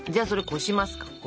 こします。